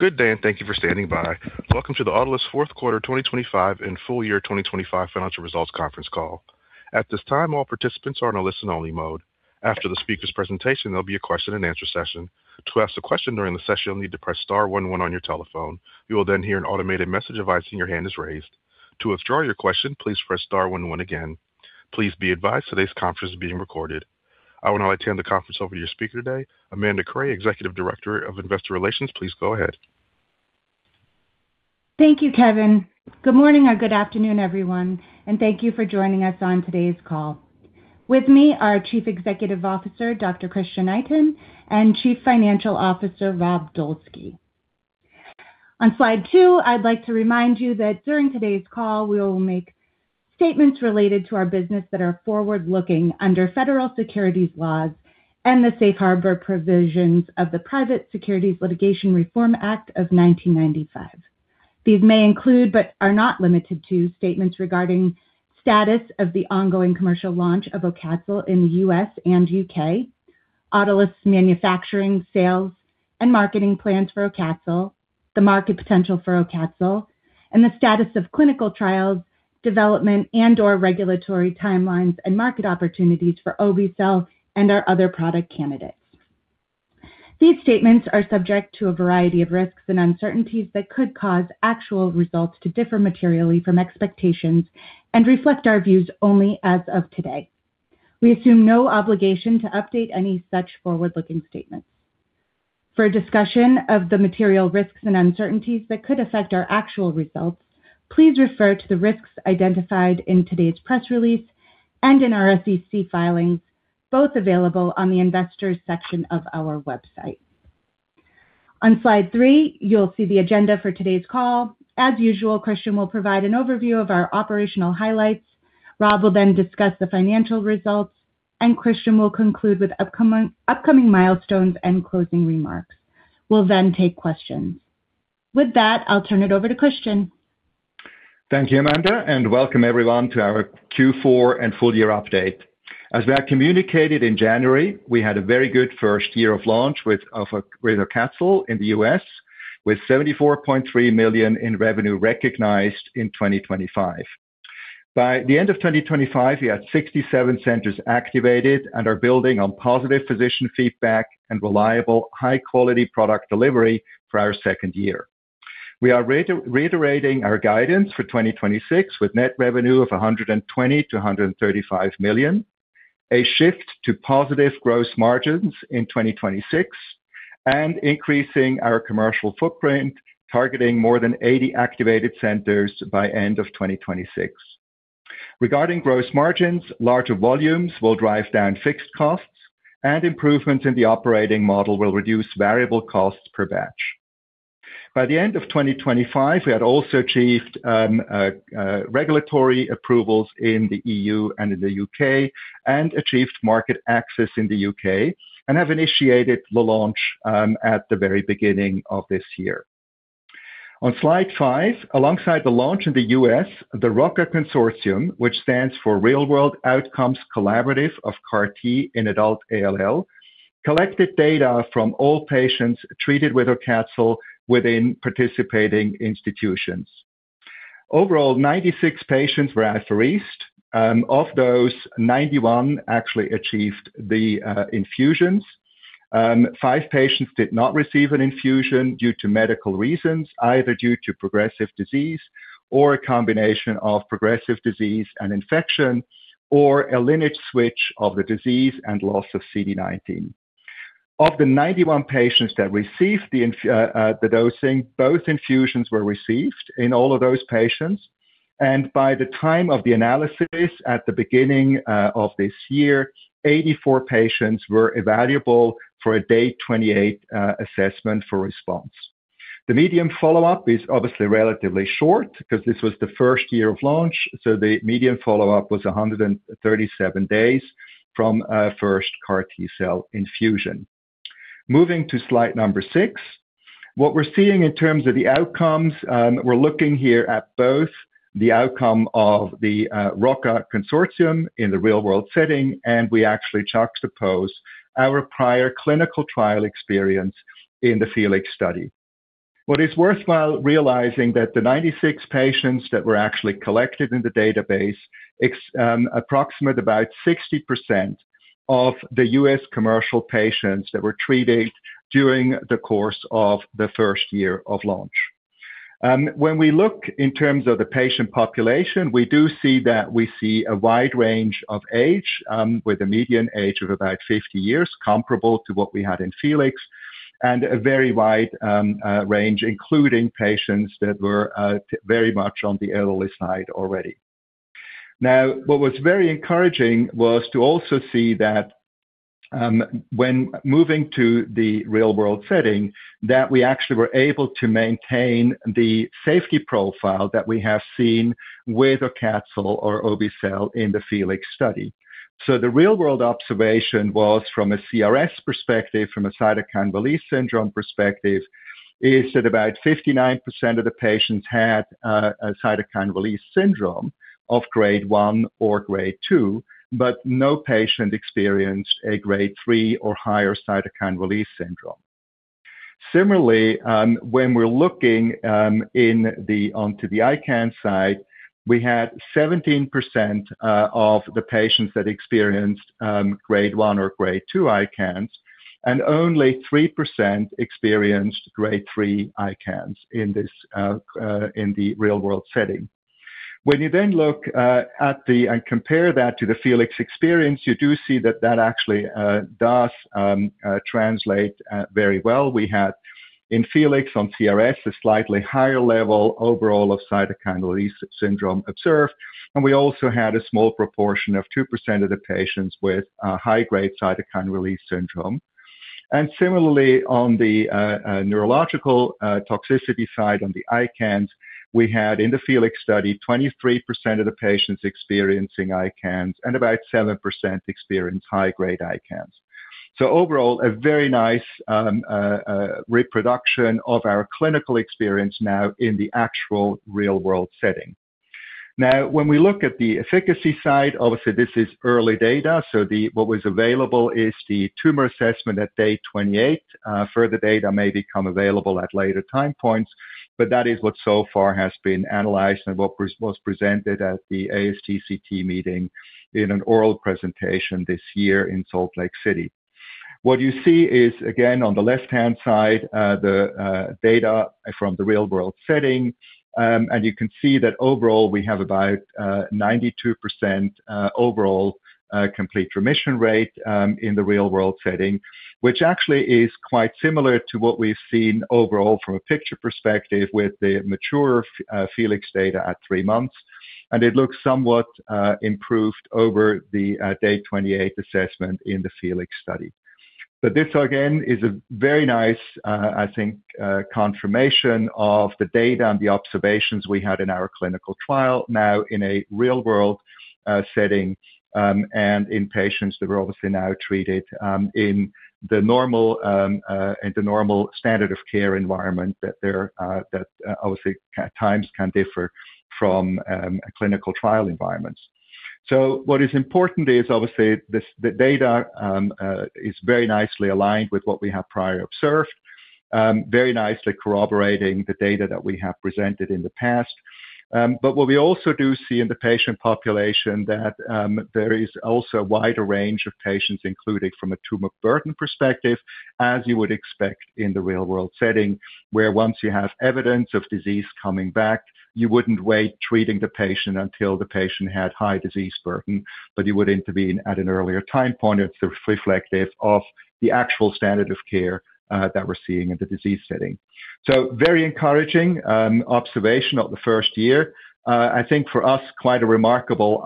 Good day and thank you for standing by. Welcome to the Autolus fourth quarter 2025 and full year 2025 financial results conference call. At this time, all participants are in a listen-only mode. After the speaker's presentation, there'll be a question-and-answer session. To ask a question during the session, you'll need to press star one one on your telephone. You will then hear an automated message advising your hand is raised. To withdraw your question, please press star one one again. Please be advised today's conference is being recorded. I will now turn the conference over to your speaker today, Amanda Cray, Executive Director of Investor Relations. Please go ahead. Thank you, Kevin. Good morning or good afternoon, everyone, and thank you for joining us on today's call. With me, our Chief Executive Officer, Dr. Christian Itin, and Chief Financial Officer, Rob Dolski. On slide two, I'd like to remind you that during today's call, we will make statements related to our business that are forward-looking under federal securities laws and the safe harbor provisions of the Private Securities Litigation Reform Act of 1995. These may include, but are not limited to, statements regarding status of the ongoing commercial launch of AUCATZYL in the U.S. and U.K., Autolus manufacturing, sales, and marketing plans for AUCATZYL, the market potential for AUCATZYL, and the status of clinical trials, development and/or regulatory timelines and market opportunities for obe-cel and our other product candidates. These statements are subject to a variety of risks and uncertainties that could cause actual results to differ materially from expectations and reflect our views only as of today. We assume no obligation to update any such forward-looking statements. For a discussion of the material risks and uncertainties that could affect our actual results, please refer to the risks identified in today's press release and in our SEC filings, both available on the investors section of our website. On slide three, you'll see the agenda for today's call. As usual, Christian will provide an overview of our operational highlights. Rob will then discuss the financial results, and Christian will conclude with upcoming milestones and closing remarks. We'll then take questions. With that, I'll turn it over to Christian. Thank you, Amanda, and welcome everyone to our Q4 and full year update. As we have communicated in January, we had a very good first year of launch with AUCATZYL in the U.S., with $74.3 million in revenue recognized in 2025. By the end of 2025, we had 67 centers activated and are building on positive physician feedback and reliable, high-quality product delivery for our second year. We are reiterating our guidance for 2026, with net revenue of $120 million-$135 million, a shift to positive gross margins in 2026, and increasing our commercial footprint, targeting more than 80 activated centers by end of 2026. Regarding gross margins, larger volumes will drive down fixed costs and improvements in the operating model will reduce variable costs per batch. By the end of 2025, we had also achieved regulatory approvals in the EU and in the U.K. and achieved market access in the U.K. and have initiated the launch at the very beginning of this year. On slide five, alongside the launch in the U.S., the ROCCA consortium, which stands for Real-World Outcomes Collaborative of CAR-T in Adult ALL, collected data from all patients treated with obe-cel within participating institutions. Overall, 96 patients were authorized. Of those, 91 actually achieved the infusions. Five patients did not receive an infusion due to medical reasons, either due to progressive disease or a combination of progressive disease and infection, or a lineage switch of the disease and loss of CD19. Of the 91 patients that received the dosing, both infusions were received in all of those patients. By the time of the analysis at the beginning of this year, 84 patients were evaluable for a day 28 assessment for response. The median follow-up is obviously relatively short because this was the first year of launch, so the median follow-up was 137 days from first CAR T-cell infusion. Moving to slide 6. What we're seeing in terms of the outcomes, we're looking here at both the outcome of the ROCCA consortium in the real-world setting, and we actually juxtapose our prior clinical trial experience in the FELIX study. What is worthwhile realizing that the 96 patients that were actually collected in the database is approximately 60% of the U.S. commercial patients that were treated during the course of the first year of launch. When we look in terms of the patient population, we do see a wide range of age, with a median age of about 50 years, comparable to what we had in FELIX, and a very wide range, including patients that were very much on the elderly side already. What was very encouraging was to also see that, when moving to the real-world setting, that we actually were able to maintain the safety profile that we have seen with AUCATZYL or obe-cel in the FELIX study. The real-world observation was from a CRS perspective, from a cytokine release syndrome perspective, is that about 59% of the patients had a cytokine release syndrome of grade 1 or grade 2, but no patient experienced a grade 3 or higher cytokine release syndrome. Similarly, when we're looking onto the ICANS side, we had 17% of the patients that experienced grade 1 or grade 2 ICANS, and only 3% experienced grade 3 ICANS in this in the real-world setting. When you then look at and compare that to the FELIX experience, you do see that actually does translate very well. We had in FELIX on CRS a slightly higher level overall of cytokine release syndrome observed, and we also had a small proportion of 2% of the patients with a high-grade cytokine release syndrome. Similarly, on the neurological toxicity side, on the ICANS, we had in the FELIX study 23% of the patients experiencing ICANS and about 7% experience high-grade ICANS. Overall, a very nice reproduction of our clinical experience now in the actual real-world setting. When we look at the efficacy side, obviously, this is early data. What was available is the tumor assessment at day 28. Further data may become available at later time points, but that is what so far has been analyzed and what was presented at the ASTCT meeting in an oral presentation this year in Salt Lake City. What you see is, again, on the left-hand side, the data from the real-world setting. You can see that overall, we have about 92% overall complete remission rate in the real-world setting, which actually is quite similar to what we've seen overall from a picture perspective with the mature FELIX data at three months. It looks somewhat improved over the day 28 assessment in the FELIX study. This, again, is a very nice, I think, confirmation of the data and the observations we had in our clinical trial now in a real-world setting, and in patients that were obviously now treated in the normal standard of care environment that obviously at times can differ from clinical trial environments. What is important is obviously this, the data, is very nicely aligned with what we have prior observed, very nicely corroborating the data that we have presented in the past. What we also do see in the patient population that there is also a wider range of patients included from a tumor burden perspective, as you would expect in the real-world setting, where once you have evidence of disease coming back, you wouldn't wait treating the patient until the patient had high disease burden, but you would intervene at an earlier time point. It's reflective of the actual standard of care, that we're seeing in the disease setting. Very encouraging observation of the first year. I think for us, quite a remarkable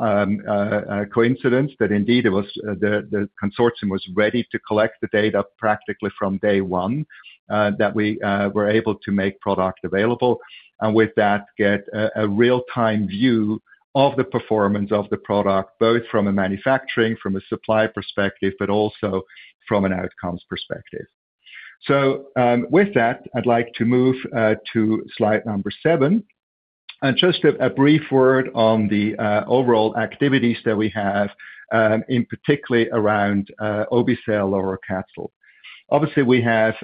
coincidence that indeed it was, the consortium was ready to collect the data practically from day one, that we were able to make product available, and with that, get a real-time view of the performance of the product, both from a manufacturing, from a supply perspective, but also from an outcomes perspective. With that, I'd like to move to slide seven. Just a brief word on the overall activities that we have, in particular around obe-cel or AUCATZYL. Obviously, we have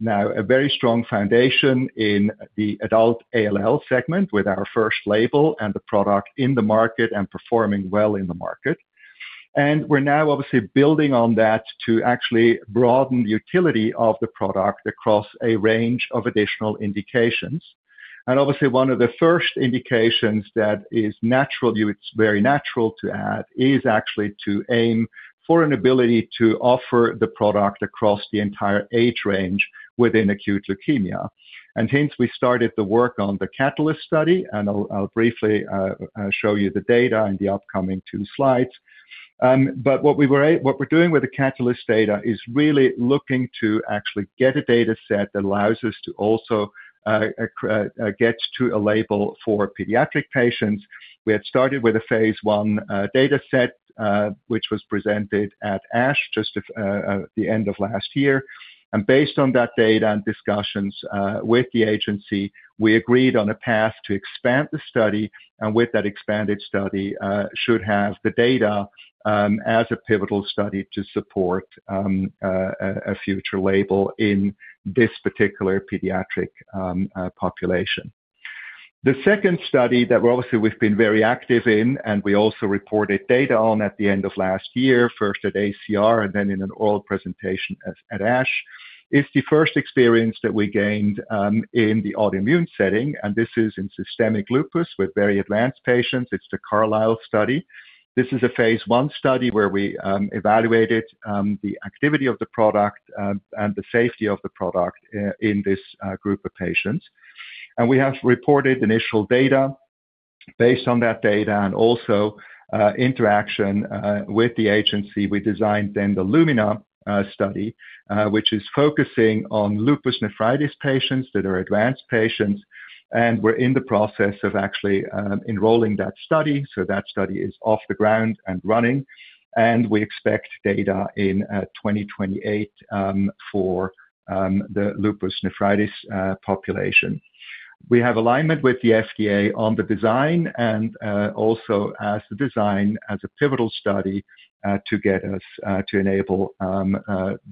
now a very strong foundation in the adult ALL segment with our first label and the product in the market and performing well in the market. We're now obviously building on that to actually broaden the utility of the product across a range of additional indications. Obviously, one of the first indications that is naturally, it's very natural to add, is actually to aim for an ability to offer the product across the entire age range within acute leukemia. Hence, we started the work on the CATULUS study, and I'll briefly show you the data in the upcoming two slides. What we're doing with the CATULUS data is really looking to actually get a data set that allows us to also get to a label for pediatric patients. We had started with a phase I data set, which was presented at ASH just the end of last year. Based on that data and discussions with the agency, we agreed on a path to expand the study, and with that expanded study we should have the data as a pivotal study to support a future label in this particular pediatric population. The second study that obviously we've been very active in, and we also reported data on at the end of last year, first at ACR and then in an oral presentation at ASH, is the first experience that we gained in the autoimmune setting, and this is in systemic lupus with very advanced patients. It's the CARLYSLE study. This is a phase I study where we evaluated the activity of the product and the safety of the product in this group of patients. We have reported initial data based on that data and also interaction with the agency. We designed then the LUMINA study, which is focusing on lupus nephritis patients that are advanced patients, and we're in the process of actually enrolling that study. That study is off the ground and running, and we expect data in 2028 for the lupus nephritis population. We have alignment with the FDA on the design and also as the design as a pivotal study to get us to enable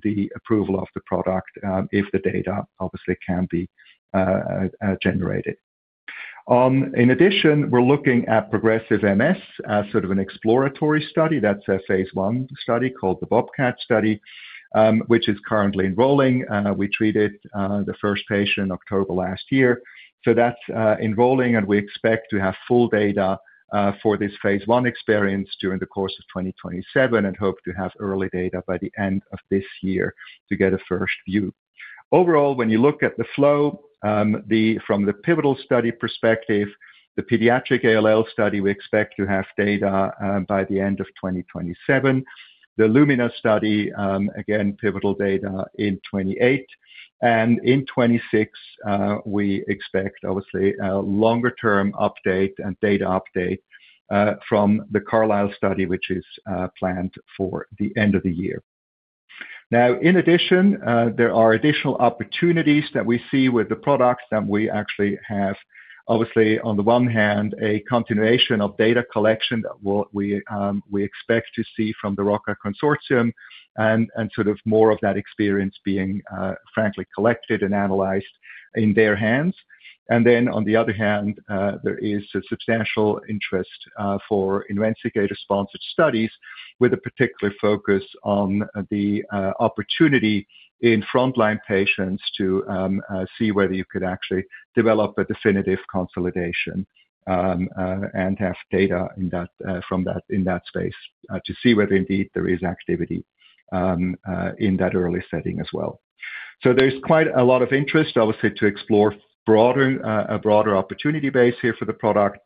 the approval of the product if the data obviously can be generated. In addition, we're looking at progressive MS as sort of an exploratory study. That's a phase I study called the BOBCAT study, which is currently enrolling. We treated the first patient October last year. That's enrolling, and we expect to have full data for this phase I experience during the course of 2027, and hope to have early data by the end of this year to get a first view. Overall, when you look at the flow, from the pivotal study perspective, the pediatric ALL study, we expect to have data by the end of 2027. The LUMINA study, again, pivotal data in 2028. In 2026, we expect obviously a longer-term update and data update from the CARLYSLE study, which is planned for the end of the year. Now, in addition, there are additional opportunities that we see with the products that we actually have. Obviously, on the one hand, a continuation of data collection that we expect to see from the ROCCA Consortium and sort of more of that experience being frankly collected and analyzed in their hands. Then on the other hand, there is a substantial interest for investigator-sponsored studies with a particular focus on the opportunity in frontline patients to see whether you could actually develop a definitive consolidation and have data in that space to see whether indeed there is activity in that early setting as well. There's quite a lot of interest, obviously, to explore a broader opportunity base here for the product.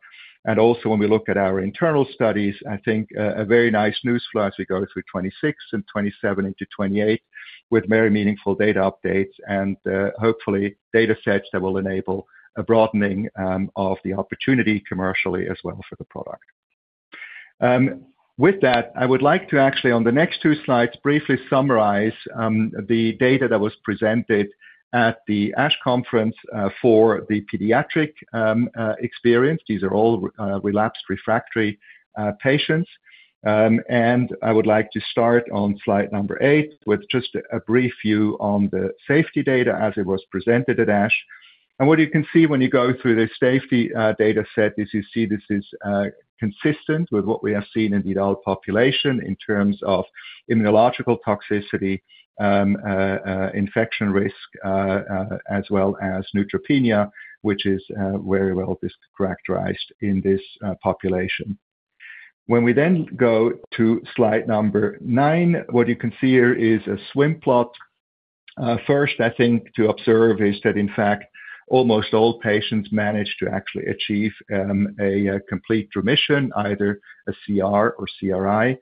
Also, when we look at our internal studies, I think a very nice news flow as we go through 2026 and 2027 into 2028 with very meaningful data updates and, hopefully data sets that will enable a broadening, of the opportunity commercially as well for the product. With that, I would like to actually on the next two slides, briefly summarize, the data that was presented at the ASH conference, for the pediatric, experience. These are all, relapsed refractory, patients. I would like to start on slide number eight with just a brief view on the safety data as it was presented at ASH. What you can see when you go through this safety data set is you see this is consistent with what we have seen in the adult population in terms of immunological toxicity, infection risk, as well as neutropenia, which is very well characterized in this population. When we then go to slide nine, what you can see here is a swim plot. First, I think to observe is that, in fact, almost all patients managed to actually achieve a complete remission, either a CR or CRI.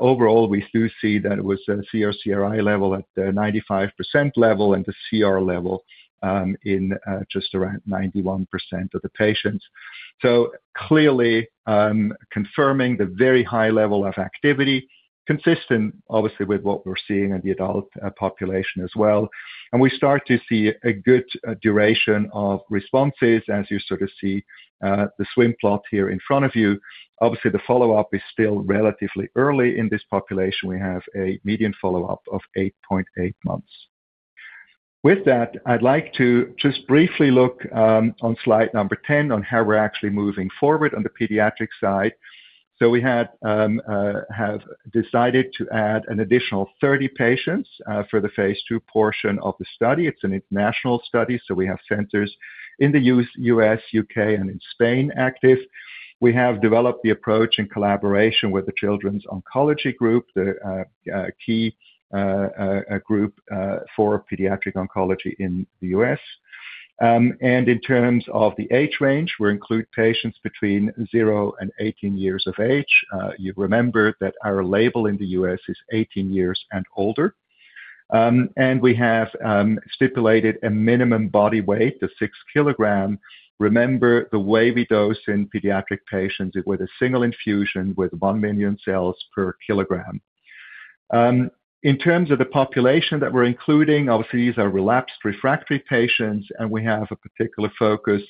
Overall, we do see that it was a CR, CRI level at 95% level and the CR level in just around 91% of the patients. Clearly, confirming the very high level of activity consistent obviously with what we're seeing in the adult population as well. We start to see a good duration of responses as you sort of see the swim plot here in front of you. Obviously, the follow-up is still relatively early in this population. We have a median follow-up of 8.8 months. With that, I'd like to just briefly look on slide 10 on how we're actually moving forward on the pediatric side. We have decided to add an additional 30 patients for the phase II portion of the study. It's an international study, so we have centers in the U.S., U.K., and in Spain active. We have developed the approach in collaboration with the Children's Oncology Group, the key group for pediatric oncology in the U.S. In terms of the age range, we include patients between 0 and 18 years of age. You remember that our label in the U.S. is 18 years and older. We have stipulated a minimum body weight of 6 kg. Remember the way we dose in pediatric patients with a single infusion with 1 million cells per kilogram. In terms of the population that we're including, obviously, these are relapsed refractory patients, and we have a particular focus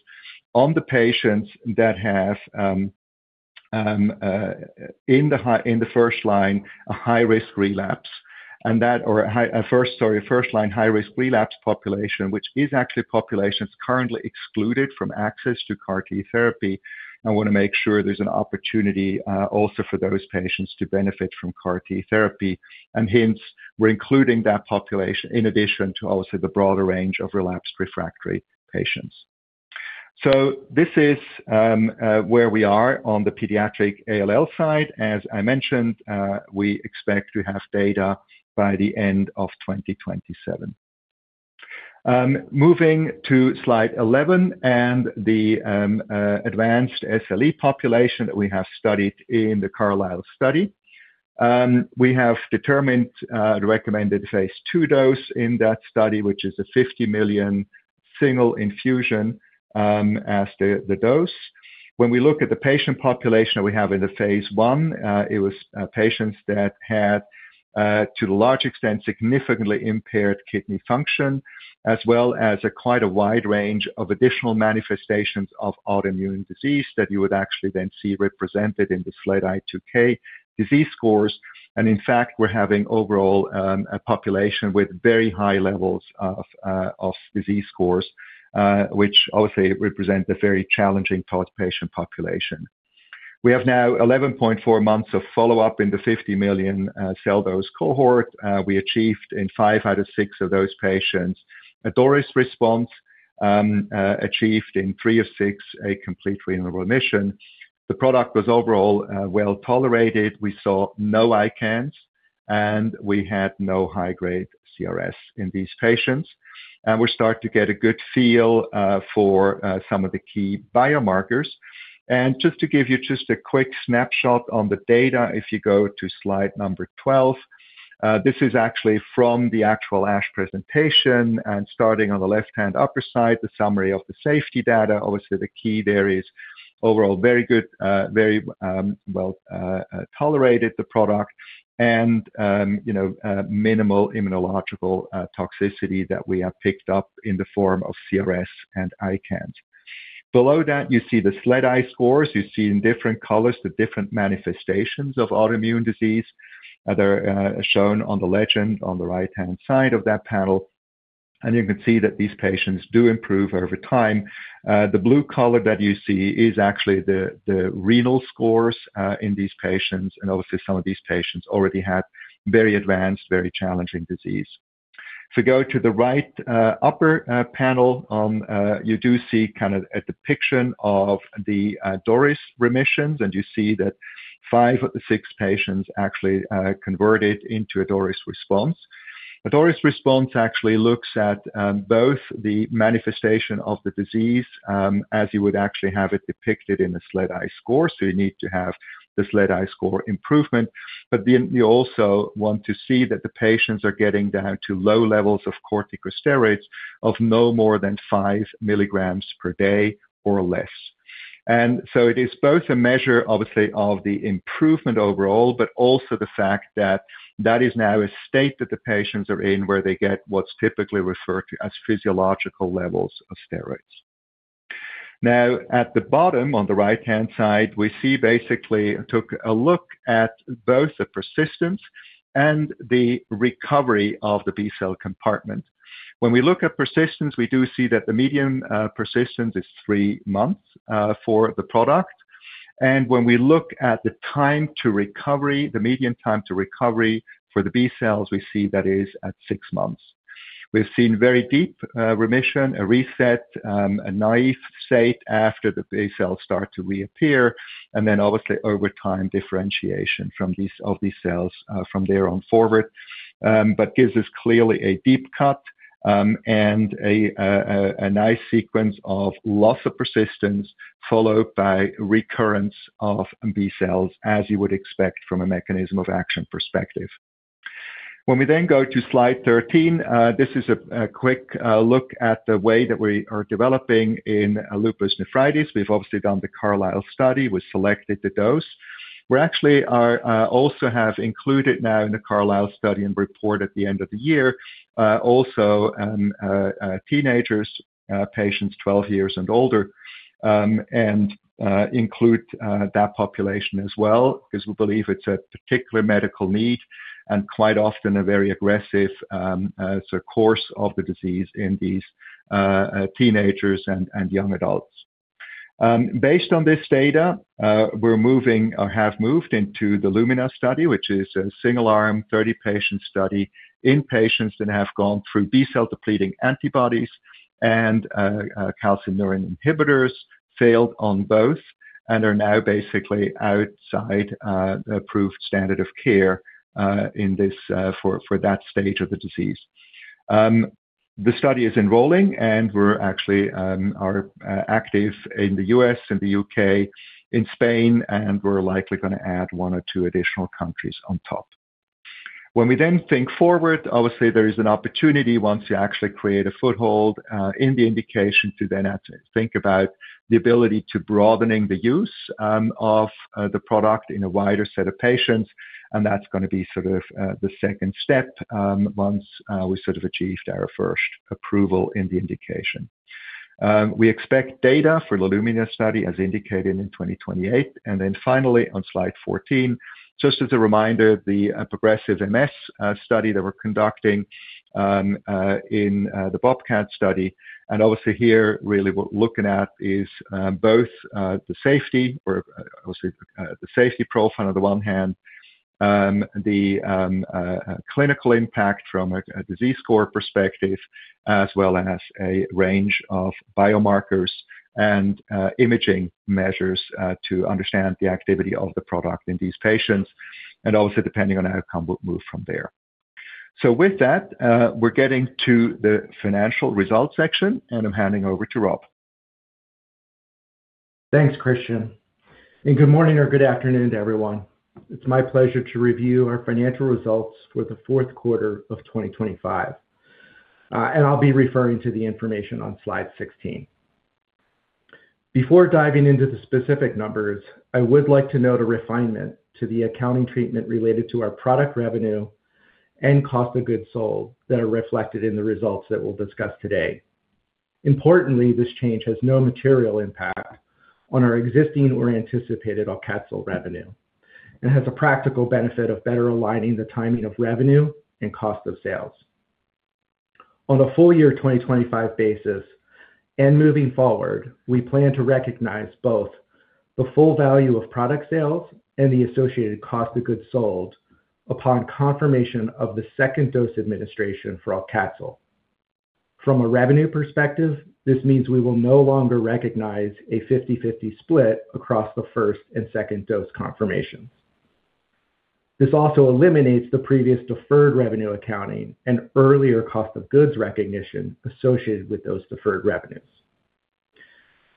on the patients that have in the first line a high-risk relapse. And that or a first-line high-risk relapse population, which is actually populations currently excluded from access to CAR T therapy. I want to make sure there's an opportunity, also for those patients to benefit from CAR T therapy. Hence, we're including that population in addition to also the broader range of relapsed refractory patients. This is where we are on the pediatric ALL side. As I mentioned, we expect to have data by the end of 2027. Moving to slide 11 and the advanced SLE population that we have studied in the CARLYSLE study. We have determined the recommended phase II dose in that study, which is a 50 million single infusion, as the dose. When we look at the patient population that we have in the phase I, it was patients that had to a large extent significantly impaired kidney function, as well as quite a wide range of additional manifestations of autoimmune disease that you would actually then see represented in the SLEDAI-2K disease scores. In fact, we're having overall a population with very high levels of disease scores, which obviously represent a very challenging patient population. We have now 11.4 months of follow-up in the 50 million cell dose cohort. We achieved in five out of six of those patients a DORIS response, achieved in three of six, a complete renal remission. The product was overall well-tolerated. We saw no ICANS, and we had no high-grade CRS in these patients. We start to get a good feel for some of the key biomarkers. Just to give you just a quick snapshot on the data, if you go to slide number 12, this is actually from the actual ASH presentation. Starting on the left-hand upper side, the summary of the safety data. Obviously, the key there is overall very good, very well tolerated the product and, you know, minimal immunological toxicity that we have picked up in the form of CRS and ICANS. Below that you see the SLEDAI scores. You see in different colors the different manifestations of autoimmune disease. They're shown on the legend on the right-hand side of that panel, and you can see that these patients do improve over time. The blue color that you see is actually the renal scores in these patients. Obviously, some of these patients already had very advanced, very challenging disease. If you go to the right upper panel, you do see kind of a depiction of the DORIS remissions, and you see that five of the six patients actually converted into a DORIS response. A DORIS response actually looks at both the manifestation of the disease as you would actually have it depicted in the SLEDAI score. You need to have the SLEDAI score improvement, but then you also want to see that the patients are getting down to low levels of corticosteroids of no more than 5 mg per day or less. It is both a measure, obviously, of the improvement overall, but also the fact that that is now a state that the patients are in, where they get what's typically referred to as physiological levels of steroids. Now, at the bottom on the right-hand side, we basically took a look at both the persistence and the recovery of the B-cell compartment. When we look at persistence, we do see that the median persistence is three months for the product. When we look at the time to recovery, the median time to recovery for the B cells, we see that is at six months. We've seen very deep remission, a reset, a naive state after the B cells start to reappear, and then obviously over time, differentiation of these cells from there on forward. It gives us clearly a deep cut, and a nice sequence of loss of persistence followed by recurrence of B cells, as you would expect from a mechanism of action perspective. When we go to slide 13, this is a quick look at the way that we are developing in lupus nephritis. We've obviously done the CARLYSLE study. We selected the dose. We actually also have included now in the CARLYSLE study and report at the end of the year also teenagers patients 12 years and older and include that population as well, 'cause we believe it's a particular medical need and quite often a very aggressive sort of course of the disease in these teenagers and young adults. Based on this data, we're moving or have moved into the LUMINA study, which is a single-arm 30-patient study in patients that have gone through B-cell depleting antibodies and calcineurin inhibitors, failed on both, and are now basically outside approved standard of care in this for that stage of the disease. The study is enrolling, and we're actually active in the U.S. and the U.K., in Spain, and we're likely gonna add one or two additional countries on top. When we then think forward, obviously there is an opportunity once you actually create a foothold in the indication to then have to think about the ability to broadening the use of the product in a wider set of patients, and that's gonna be sort of the second step once we sort of achieved our first approval in the indication. We expect data for the LUMINA study as indicated in 2028. Then finally on slide 14, just as a reminder, the progressive MS study that we're conducting in the BOBCAT study. Obviously here really what we're looking at is both the safety, obviously the safety profile on the one hand, the clinical impact from a disease score perspective, as well as a range of biomarkers and imaging measures to understand the activity of the product in these patients, and obviously depending on the outcome, we'll move from there. With that, we're getting to the financial results section, and I'm handing over to Rob. Thanks, Christian. Good morning or good afternoon to everyone. It's my pleasure to review our financial results for the fourth quarter of 2025. I'll be referring to the information on slide 16. Before diving into the specific numbers, I would like to note a refinement to the accounting treatment related to our product revenue and cost of goods sold that are reflected in the results that we'll discuss today. Importantly, this change has no material impact on our existing or anticipated AUCATZYL revenue, and has a practical benefit of better aligning the timing of revenue and cost of sales. On a full year 2025 basis, and moving forward, we plan to recognize both the full value of product sales and the associated cost of goods sold upon confirmation of the second dose administration for AUCATZYL. From a revenue perspective, this means we will no longer recognize a 50/50 split across the first and second dose confirmations. This also eliminates the previous deferred revenue accounting and earlier cost of goods recognition associated with those deferred revenues.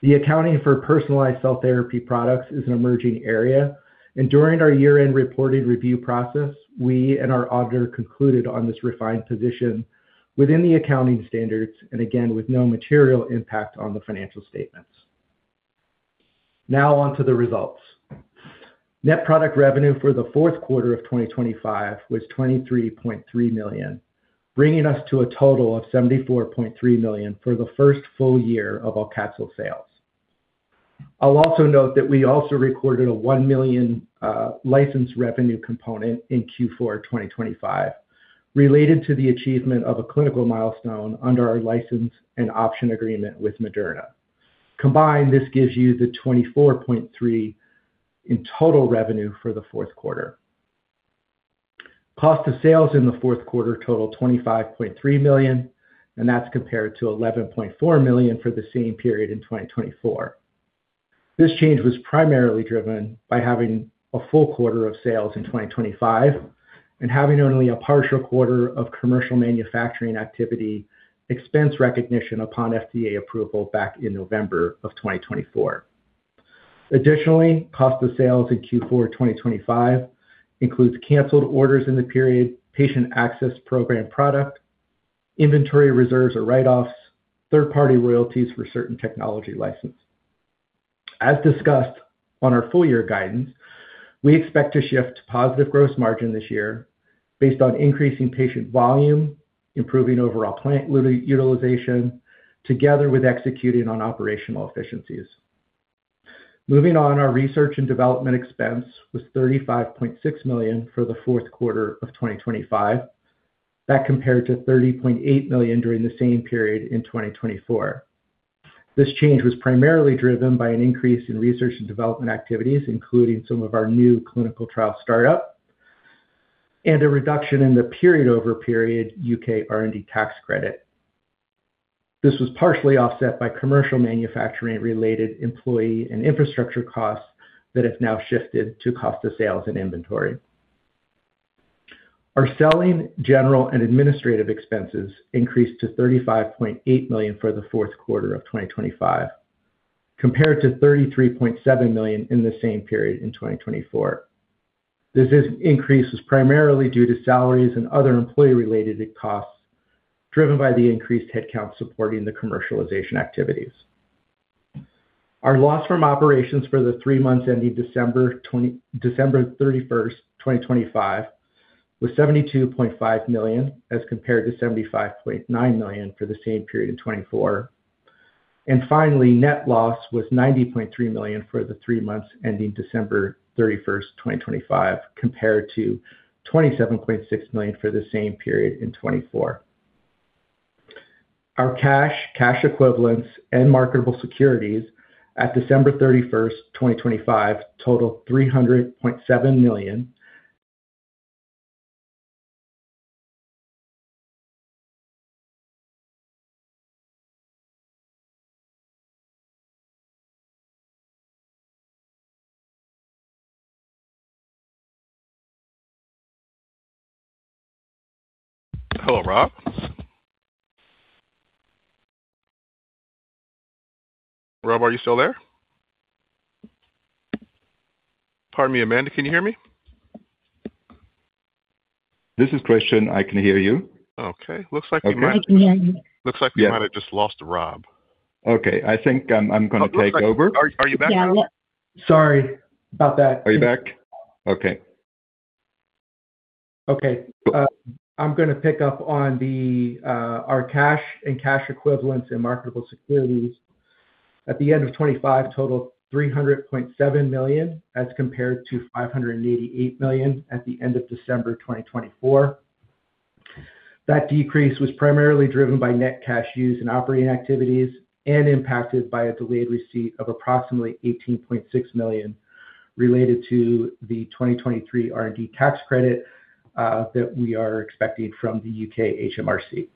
The accounting for personalized cell therapy products is an emerging area, and during our year-end reported review process, we and our auditor concluded on this refined position within the accounting standards, and again, with no material impact on the financial statements. Now on to the results. Net product revenue for the fourth quarter of 2025 was $23.3 million, bringing us to a total of $74.3 million for the first full year of AUCATZYL sales. I'll also note that we recorded a $1 million license revenue component in Q4 2025 related to the achievement of a clinical milestone under our license and option agreement with Moderna. Combined, this gives you the $24.3 million in total revenue for the fourth quarter. Cost of sales in the fourth quarter total $25.3 million, and that's compared to $11.4 million for the same period in 2024. This change was primarily driven by having a full quarter of sales in 2025 and having only a partial quarter of commercial manufacturing activity expense recognition upon FDA approval back in November of 2024. Additionally, cost of sales in Q4 2025 includes canceled orders in the period, patient access program product, inventory reserves or write-offs, third-party royalties for certain technology license. As discussed on our full year guidance, we expect to shift to positive gross margin this year based on increasing patient volume, improving overall plant utilization, together with executing on operational efficiencies. Moving on, our research and development expense was $35.6 million for the fourth quarter of 2025. That compared to $30.8 million during the same period in 2024. This change was primarily driven by an increase in research and development activities, including some of our new clinical trial startup, and a reduction in the period-over-period U.K. R&D tax credit. This was partially offset by commercial manufacturing related employee and infrastructure costs that have now shifted to cost of sales and inventory. Our selling, general and administrative expenses increased to $35.8 million for the fourth quarter of 2025, compared to $33.7 million in the same period in 2024. Increase is primarily due to salaries and other employee-related costs driven by the increased headcount supporting the commercialization activities. Our loss from operations for the three months ending December 31, 2025 was $72.5 million, as compared to $75.9 million for the same period in 2024. Finally, net loss was $90.3 million for the three months ending December 31, 2025, compared to $27.6 million for the same period in 2024. Our cash equivalents and marketable securities at December 31, 2025 total $300.7 million. Hello, Rob. Rob, are you still there? Pardon me, Amanda, can you hear me? This is Christian. I can hear you. Okay. Looks like we might. I can hear you. Looks like we might have just lost Rob. Okay. I think I'm gonna take over. Are you back? Yeah. Sorry about that. Are you back? Okay. Okay. I'm gonna pick up on the, our cash and cash equivalents and marketable securities. At the end of 2025 total $300.7 million, as compared to $588 million at the end of December 2024. That decrease was primarily driven by net cash used in operating activities and impacted by a delayed receipt of approximately $18.6 million related to the 2023 R&D tax credit that we are expecting from the U.K. HMRC.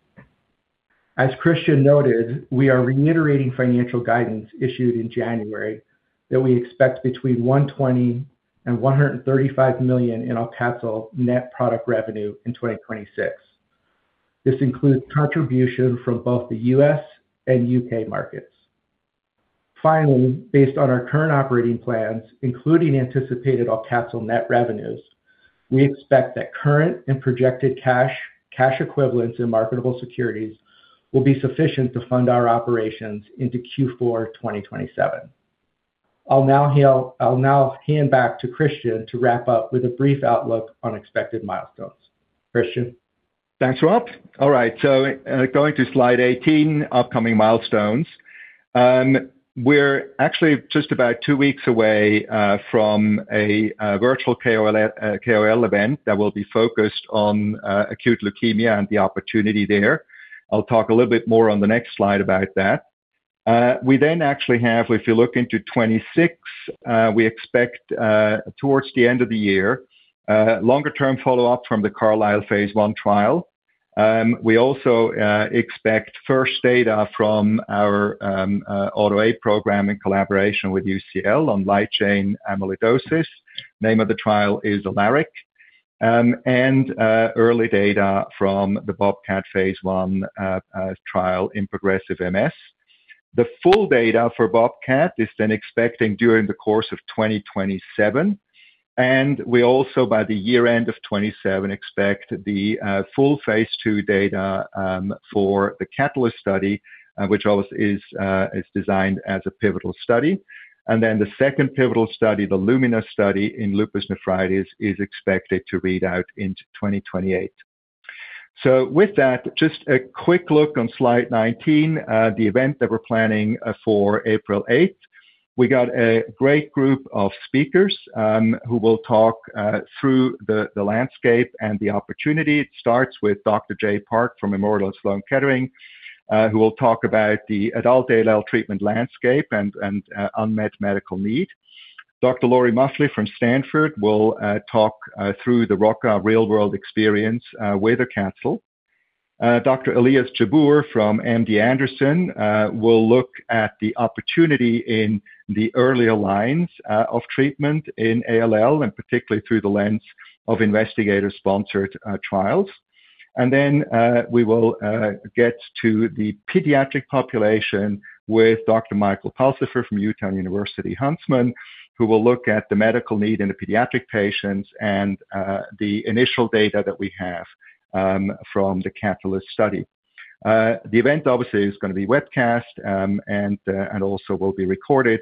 As Christian noted, we are reiterating financial guidance issued in January that we expect between $120 million-$135 million in AUCATZYL net product revenue in 2026. This includes contribution from both the U.S. and U.K. markets. Finally, based on our current operating plans, including anticipated AUCATZYL net revenues, we expect that current and projected cash equivalents, and marketable securities will be sufficient to fund our operations into Q4 2027. I'll now hand back to Christian to wrap up with a brief outlook on expected milestones. Christian. Thanks, Rob. All right. Going to slide 18, upcoming milestones. We're actually just about two weeks away from a virtual KOL event that will be focused on acute leukemia and the opportunity there. I'll talk a little bit more on the next slide about that. We then actually have, if you look into 2026, we expect towards the end of the year longer-term follow-up from the CARLYSLE phase I trial. We also expect first data from our AUTO8 program in collaboration with UCL on light chain amyloidosis. Name of the trial is ALARIC. Early data from the BOBCAT phase I trial in progressive MS. The full data for BOBCAT is then expecting during the course of 2027, and we also by the year-end of 2027 expect the full phase II data for the CATULUS study, which is designed as a pivotal study. The second pivotal study, the LUMINA Study in lupus nephritis, is expected to read out into 2028. With that, just a quick look on slide 19, the event that we're planning for April 8. We got a great group of speakers who will talk through the landscape and the opportunity. It starts with Dr. Jae Park from Memorial Sloan Kettering Cancer Center who will talk about the adult ALL treatment landscape and unmet medical need. Dr. Lori Muffly from Stanford will talk through the ROCCA real-world experience with AUCATZYL. Dr. Elias Jabbour from MD Anderson will look at the opportunity in the earlier lines of treatment in ALL and particularly through the lens of investigator-sponsored trials. Then we will get to the pediatric population with Dr. Michael Pulsipher from University of Utah Huntsman, who will look at the medical need in the pediatric patients and the initial data that we have from the CATULUS study. The event obviously is going to be webcast and also will be recorded.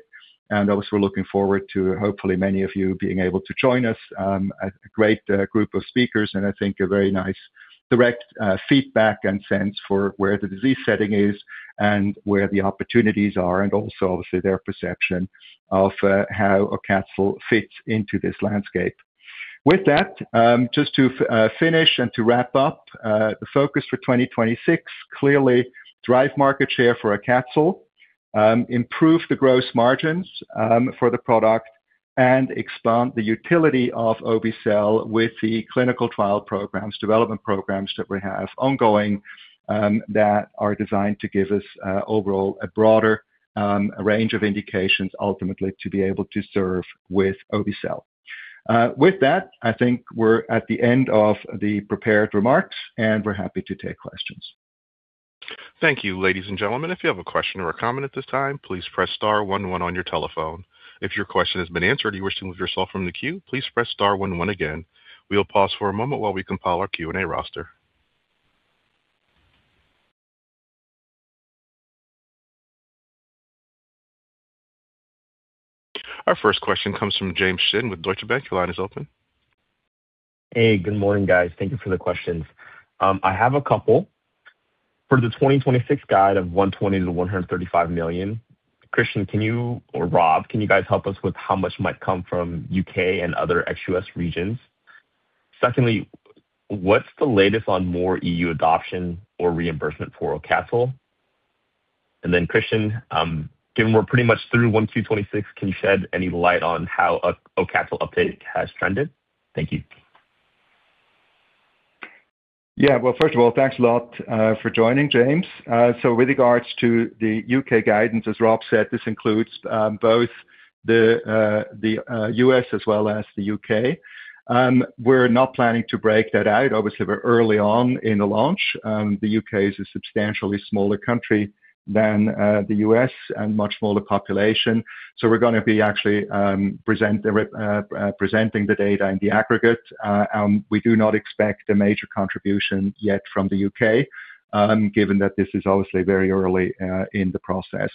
Obviously, we're looking forward to hopefully many of you being able to join us. A great group of speakers and I think a very nice direct feedback and sense for where the disease setting is and where the opportunities are and also obviously their perception of how AUCATZYL fits into this landscape. With that, just to finish and to wrap up, the focus for 2026 is to clearly drive market share for AUCATZYL, improve the gross margins for the product, and expand the utility of obe-cel with the clinical trial programs, development programs that we have ongoing that are designed to give us overall a broader range of indications ultimately to be able to serve with obe-cel. With that, I think we're at the end of the prepared remarks, and we're happy to take questions. Thank you, ladies and gentlemen. If you have a question or a comment at this time, please press star one one on your telephone. If your question has been answered or you wish to remove yourself from the queue, please press star one one again. We'll pause for a moment while we compile our Q&A roster. Our first question comes from James Shin with Deutsche Bank. Your line is open. Hey, good morning, guys. Thank you for the questions. I have a couple. For the 2026 guide of $120 million-$135 million, Christian, can you or Rob help us with how much might come from U.K. and other ex-U.S. regions? Secondly, what's the latest on more EU adoption or reimbursement for AUCATZYL? And then Christian, given we're pretty much through Q1 2026, can you shed any light on how AUCATZYL uptake has trended? Thank you. Yeah. Well, first of all, thanks a lot for joining, James. With regards to the U.K. guidance, as Rob said, this includes both the U.S. as well as the U.K. We're not planning to break that out. Obviously, we're early on in the launch. The U.K. is a substantially smaller country than the U.S. and much smaller population. We're gonna be actually presenting the data in the aggregate. We do not expect a major contribution yet from the U.K., given that this is obviously very early in the process.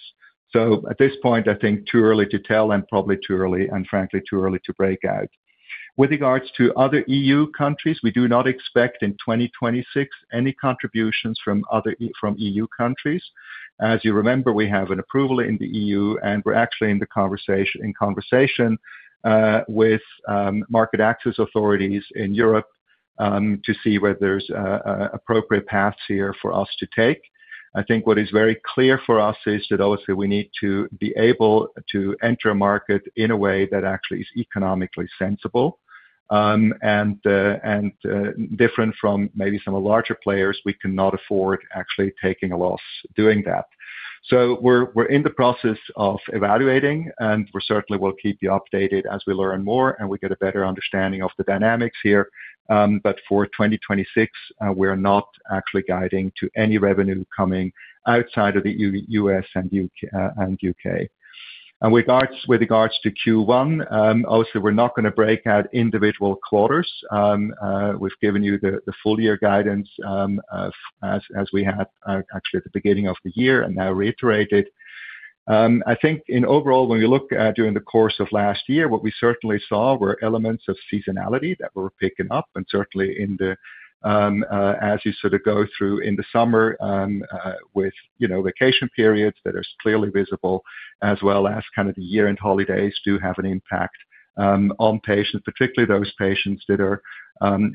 At this point, I think too early to tell and probably too early to break out. With regards to other EU countries, we do not expect in 2026 any contributions from other EU countries. As you remember, we have an approval in the EU, and we're actually in conversation with market access authorities in Europe to see whether there's appropriate paths here for us to take. I think what is very clear for us is that obviously we need to be able to enter a market in a way that actually is economically sensible, and different from maybe some of the larger players, we cannot afford actually taking a loss doing that. We're in the process of evaluating, and we certainly will keep you updated as we learn more and we get a better understanding of the dynamics here. For 2026, we're not actually guiding to any revenue coming outside of the U.S. and U.K. With regards to Q1, obviously, we're not going to break out individual quarters. We've given you the full year guidance, as we had actually at the beginning of the year and now reiterated. I think in overall, when we look at during the course of last year, what we certainly saw were elements of seasonality that were picking up. Certainly, as you sort of go through in the summer with you know vacation periods that are clearly visible as well as kind of the year-end holidays do have an impact on patients, particularly those patients that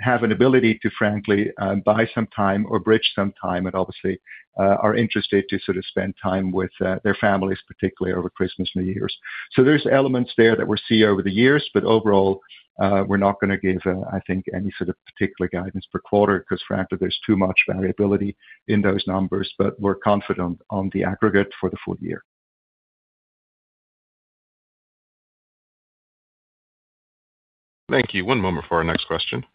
have an ability to frankly buy some time or bridge some time and obviously are interested to sort of spend time with their families, particularly over Christmas and New Year's. There's elements there that we see over the years, but overall, we're not gonna give I think any sort of particular guidance per quarter 'cause frankly, there's too much variability in those numbers. We're confident on the aggregate for the full year. Thank you. One moment for our next question.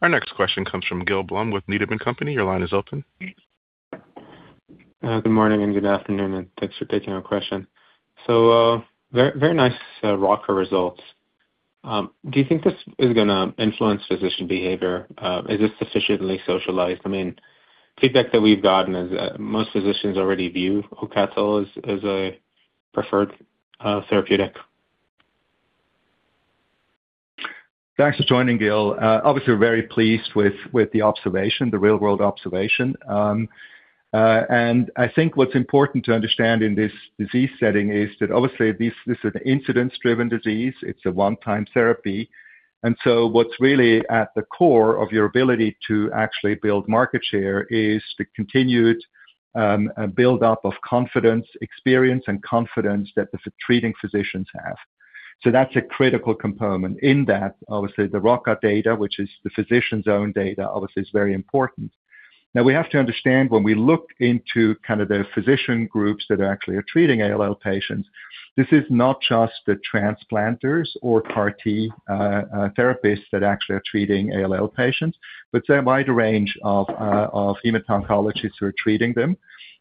Our next question comes from Gil Blum with Needham & Company. Your line is open. Good morning and good afternoon, and thanks for taking our question. Very, very nice ROCCA results. Do you think this is gonna influence physician behavior? Is this sufficiently socialized? I mean, feedback that we've gotten is, most physicians already view AUCATZYL as a preferred therapeutic. Thanks for joining, Gil. Obviously, we're very pleased with the observation, the real-world observation. I think what's important to understand in this disease setting is that obviously this is an incidence-driven disease. It's a one-time therapy. What's really at the core of your ability to actually build market share is the continued build-up of confidence and experience that the treating physicians have. That's a critical component in that. Obviously, the ROCCA data, which is the physician's own data, obviously is very important. Now we have to understand, when we look into kind of the physician groups that actually are treating ALL patients, this is not just the transplanters or CAR-T therapists that actually are treating ALL patients, but there are a wide range of hematologists who are treating them,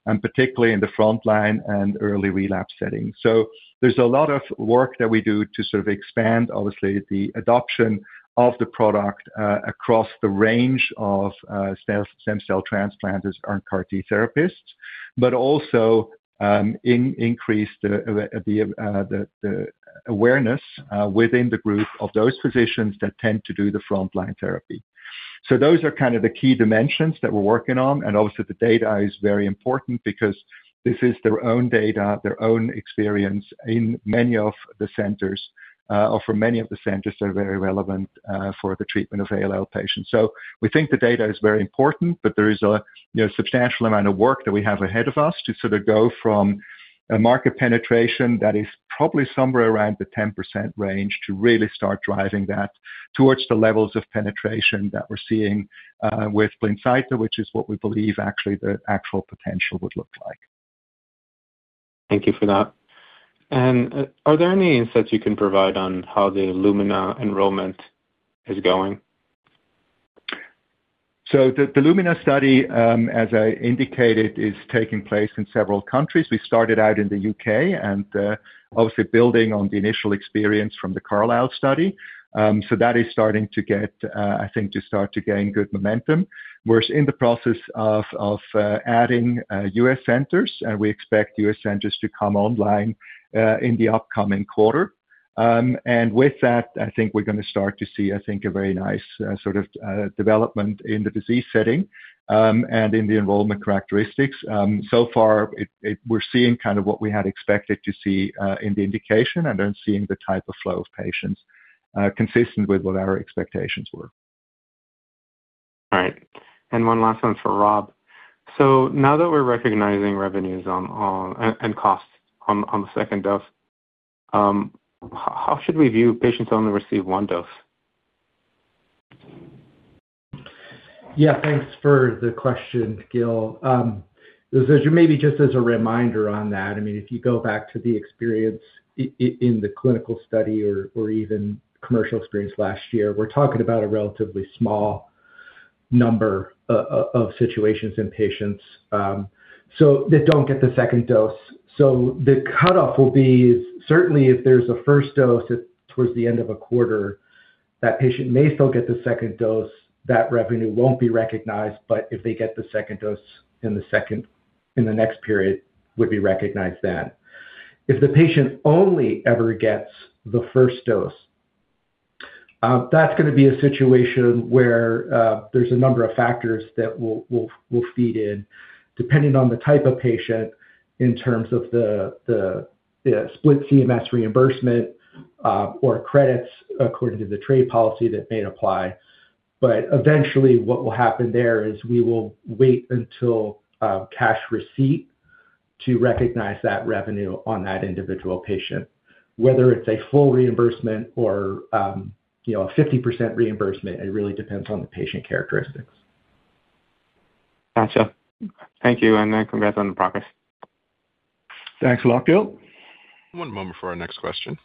and particularly in the frontline and early relapse setting. There's a lot of work that we do to sort of expand, obviously, the adoption of the product across the range of stem cell transplanters or CAR-T therapists, but also increase the awareness within the group of those physicians that tend to do the frontline therapy. Those are kind of the key dimensions that we're working on. Obviously the data is very important because this is their own data, their own experience in many of the centers, or for many of the centers are very relevant, for the treatment of ALL patients. We think the data is very important, but there is a, you know, substantial amount of work that we have ahead of us to sort of go from a market penetration that is probably somewhere around the 10% range to really start driving that towards the levels of penetration that we're seeing, with Blincyto, which is what we believe actually the actual potential would look like. Thank you for that. Are there any insights you can provide on how the LUMINA enrollment is going? The LUMINA study, as I indicated, is taking place in several countries. We started out in the U.K. and obviously building on the initial experience from the CARLYSLE study. That is starting to gain good momentum. We're in the process of adding U.S. centers, and we expect U.S. centers to come online in the upcoming quarter. With that, I think we're gonna start to see, I think a very nice sort of development in the disease setting and in the enrollment characteristics. So far we're seeing kind of what we had expected to see in the indication and then seeing the type of flow of patients consistent with what our expectations were. All right. One last one for Rob. Now that we're recognizing revenues on the second dose, and costs on the second dose, how should we view patients only receive one dose? Yeah. Thanks for the question, Gil. Maybe just as a reminder on that, I mean, if you go back to the experience in the clinical study or even commercial experience last year, we're talking about a relatively small number of situations in patients, so they don't get the second dose. The cutoff will be certainly if there's a first dose towards the end of a quarter, that patient may still get the second dose. That revenue won't be recognized. If they get the second dose in the next period, would be recognized then. If the patient only ever gets the first dose, that's gonna be a situation where there's a number of factors that will feed in, depending on the type of patient in terms of the split CMS reimbursement or credits according to the tax policy that may apply. Eventually what will happen there is we will wait until cash receipt to recognize that revenue on that individual patient. Whether it's a full reimbursement or, you know, a 50% reimbursement, it really depends on the patient characteristics. Gotcha. Thank you, and then congrats on the progress. Thanks a lot, Gil. One moment for our next question.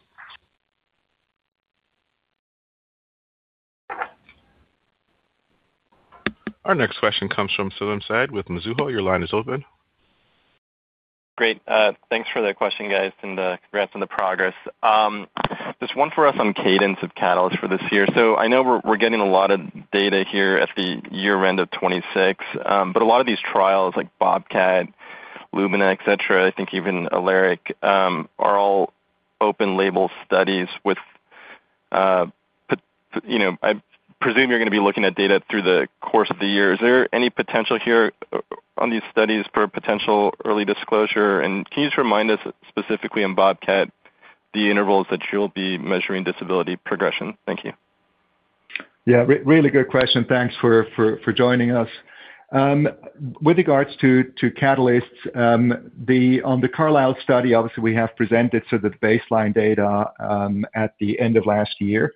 Our next question comes from Salim Syed with Mizuho. Your line is open. Great. Thanks for the question, guys, and congrats on the progress. Just one for us on cadence of catalysts for this year. I know we're getting a lot of data here at the year-end of 2026. A lot of these trials like BOBCAT, LUMINA, et cetera, I think even ALARIC, are all open label studies with, you know, I presume you're gonna be looking at data through the course of the year. Is there any potential here on these studies for potential early disclosure? And can you just remind us specifically in BOBCAT the intervals that you'll be measuring disability progression? Thank you. Yeah, really good question. Thanks for joining us. With regards to catalysts, on the CARLYSLE study, obviously, we have presented the baseline data at the end of last year.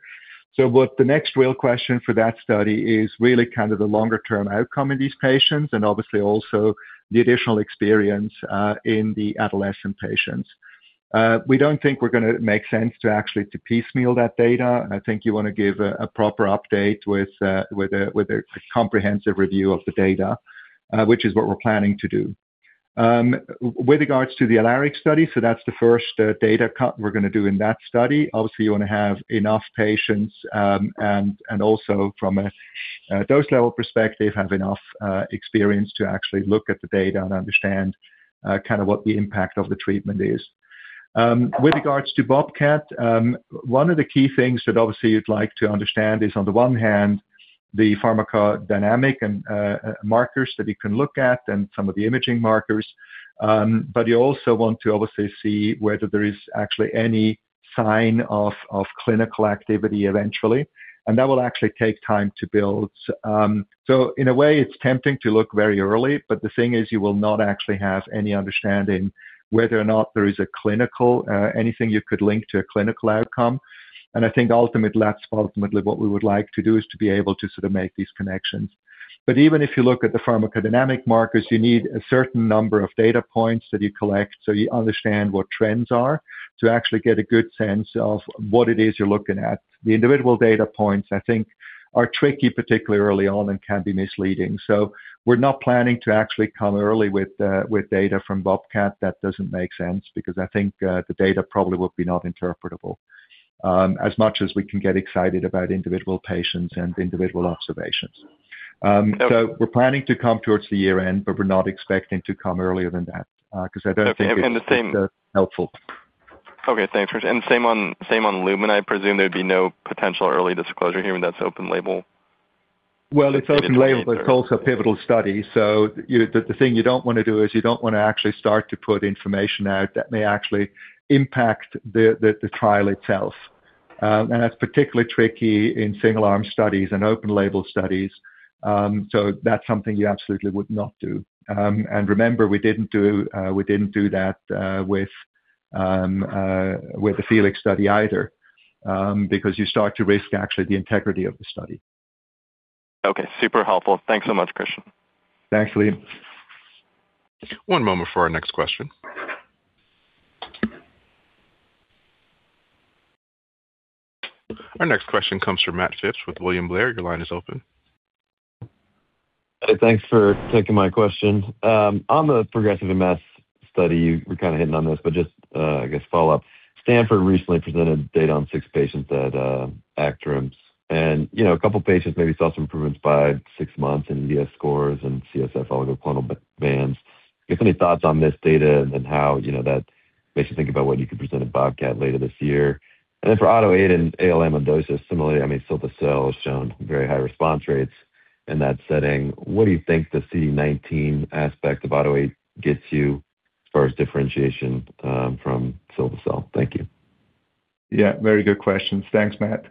What the next real question for that study is really kind of the longer term outcome in these patients and obviously also the additional experience in the adolescent patients. We don't think it makes sense to piecemeal that data. I think you want to give a proper update with a comprehensive review of the data, which is what we're planning to do. With regards to the ALARIC study, that's the first data cut we're gonna do in that study. Obviously, you wanna have enough patients, and also from a dose level perspective, have enough experience to actually look at the data and understand kinda what the impact of the treatment is. With regards to BOBCAT, one of the key things that obviously you'd like to understand is, on the one hand, the pharmacodynamic and markers that you can look at and some of the imaging markers. But you also want to obviously see whether there is actually any sign of clinical activity eventually. That will actually take time to build. In a way, it's tempting to look very early, but the thing is you will not actually have any understanding whether or not there is a clinical anything you could link to a clinical outcome. I think that's ultimately what we would like to do, is to be able to sort of make these connections. Even if you look at the pharmacodynamic markers, you need a certain number of data points that you collect so you understand what trends are to actually get a good sense of what it is you're looking at. The individual data points, I think, are tricky, particularly early on and can be misleading. We're not planning to actually come early with data from BOBCAT. That doesn't make sense because I think the data probably would be not interpretable, as much as we can get excited about individual patients and individual observations. We're planning to come towards the year-end, but we're not expecting to come earlier than that, 'cause I don't think it's helpful. Okay. Thanks, Christian. Same on LUMINA. I presume there'd be no potential early disclosure here when that's open label. Well, it's open label, but it's also a pivotal study. The thing you don't wanna do is you don't wanna actually start to put information out that may actually impact the trial itself. That's particularly tricky in single-arm studies and open-label studies. That's something you absolutely would not do. Remember, we didn't do that with the FELIX study either, because you start to risk actually the integrity of the study. Okay. Super helpful. Thanks so much, Christian. Thanks, Salim. One moment for our next question. Our next question comes from Matt Phipps with William Blair. Your line is open. Hey, thanks for taking my question. On the progressive MS study, you were kind of hitting on this, but just, I guess follow-up. Stanford recently presented data on six patients at ACTRIMS. You know, a couple patients maybe saw some improvements by six months in EDSS scores and CSF oligoclonal bands. If any thoughts on this data and how, you know, that makes you think about what you could present at BOBCAT later this year. For AUTO8 and AL amyloidosis and doses, similarly, I mean, ciltacabtagene autoleucel has shown very high response rates in that setting. What do you think the CD19 aspect of AUTO8 gets you as far as differentiation from ciltacabtagene autoleucel? Thank you. Yeah, very good questions. Thanks, Matt.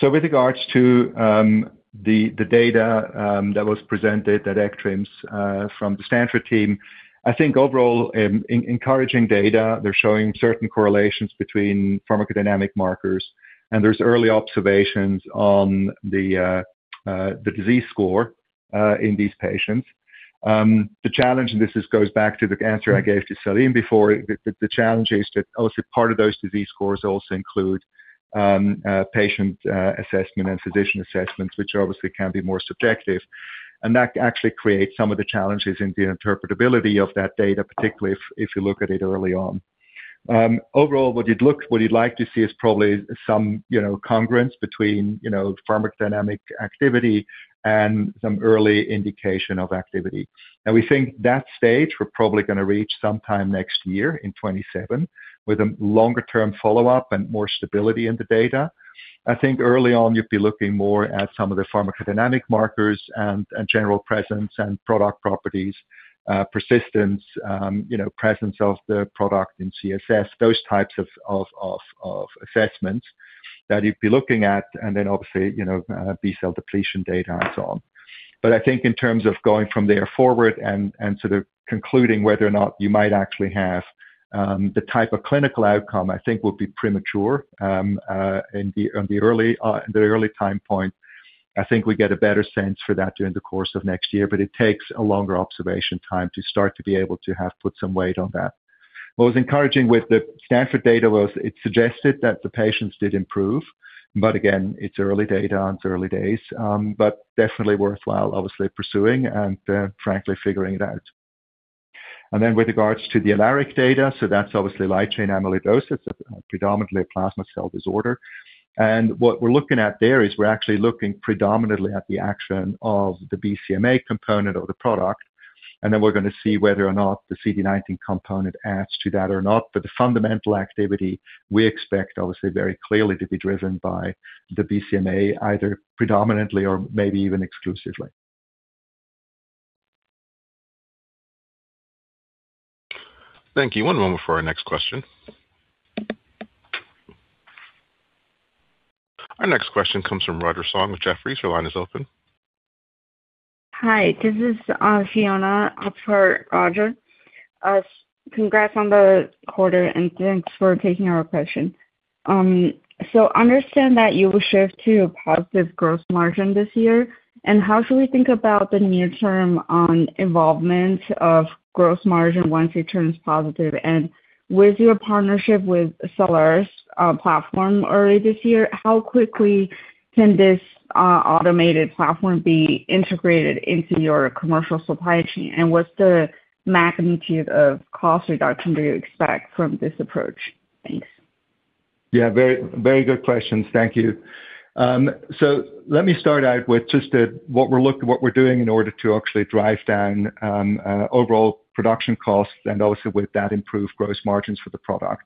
With regards to the data that was presented at ACTRIMS from the Stanford team, I think overall it's encouraging data. They're showing certain correlations between pharmacodynamic markers, and there's early observations on the disease score in these patients. The challenge, and this just goes back to the answer I gave to Salim before, is that obviously part of those disease scores also include patient assessment and physician assessments, which obviously can be more subjective. That actually creates some of the challenges in the interpretability of that data, particularly if you look at it early on. Overall, what you'd like to see is probably some, you know, congruence between, you know, pharmacodynamic activity and some early indication of activity. Now, we think that stage we're probably gonna reach sometime next year in 2027 with a longer-term follow-up and more stability in the data. I think early on you'd be looking more at some of the pharmacodynamic markers and general presence and product properties, persistence, you know, presence of the product in CSF, those types of assessments that you'd be looking at, and then obviously, you know, B-cell depletion data and so on. I think in terms of going from there forward and sort of concluding whether or not you might actually have the type of clinical outcome, I think it will be premature in the early time point. I think we get a better sense for that during the course of next year. It takes a longer observation time to start to be able to have put some weight on that. What was encouraging with the Stanford data was it suggested that the patients did improve, but again, it's early data and it's early days. Definitely worthwhile, obviously pursuing and frankly figuring it out. With regards to the ALARIC data, that's obviously light chain amyloidosis, predominantly a plasma cell disorder. What we're looking at there is we're actually looking predominantly at the action of the BCMA component of the product, and then we're gonna see whether or not the CD19 component adds to that or not. The fundamental activity we expect, obviously, very clearly to be driven by the BCMA, either predominantly or maybe even exclusively. Thank you. One moment for our next question. Our next question comes from Roger Song with Jefferies. Your line is open. Hi, this is Fiona for Roger. Congrats on the quarter, and thanks for taking our question. Understand that you will shift to a positive gross margin this year. How should we think about the near-term evolution of gross margin once it turns positive? With your partnership with Cellares platform early this year, how quickly can this automated platform be integrated into your commercial supply chain? What's the magnitude of cost reduction do you expect from this approach? Thanks. Yeah, very good questions. Thank you. So let me start out with just what we're doing in order to actually drive down overall production costs and also with that, improve gross margins for the product.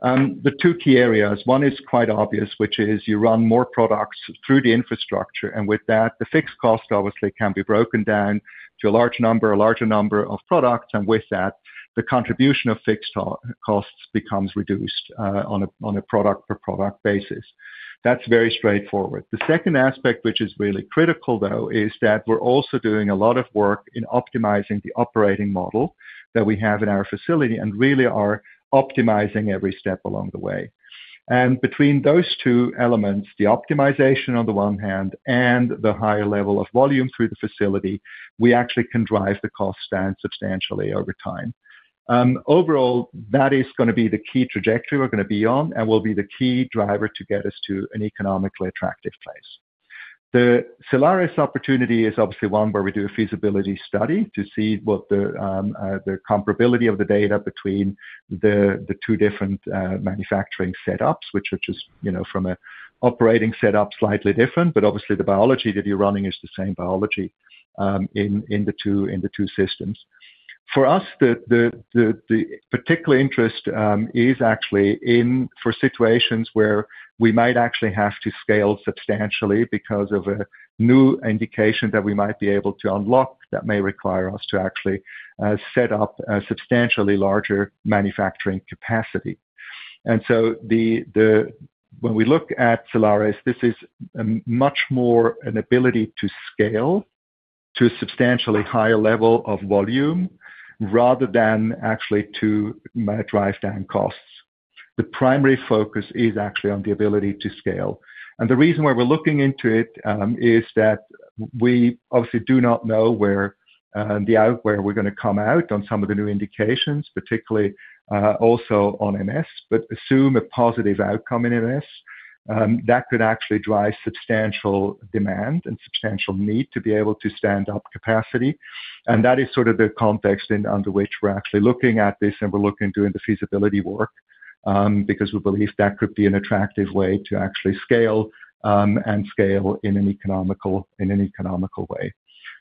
The two key areas. One is quite obvious, which is you run more products through the infrastructure, and with that, the fixed cost obviously can be broken down to a large number, a larger number of products. With that, the contribution of fixed costs becomes reduced on a product per product basis. That's very straightforward. The second aspect, which is really critical, though, is that we're also doing a lot of work in optimizing the operating model that we have in our facility and really are optimizing every step along the way. Between those two elements, the optimization on the one hand and the higher level of volume through the facility, we actually can drive the cost down substantially over time. Overall, that is gonna be the key trajectory we're gonna be on and will be the key driver to get us to an economically attractive place. The Cellares opportunity is obviously one where we do a feasibility study to see what the comparability of the data between the two different manufacturing setups, which are just, you know, from an operating setup, slightly different, but obviously the biology that you're running is the same biology in the two systems. For us, the particular interest is actually in for situations where we might actually have to scale substantially because of a new indication that we might be able to unlock that may require us to actually set up a substantially larger manufacturing capacity. When we look at Cellares, this is much more an ability to scale to a substantially higher level of volume rather than actually to drive down costs. The primary focus is actually on the ability to scale. The reason why we're looking into it is that we obviously do not know where we're gonna come out on some of the new indications, particularly also on MS. Assume a positive outcome in MS, that could actually drive substantial demand and substantial need to be able to stand up capacity. That is sort of the context under which we're actually looking at this and doing the feasibility work, because we believe that could be an attractive way to actually scale and scale in an economical way.